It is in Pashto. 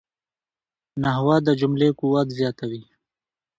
نحوه د جملې قوت زیاتوي.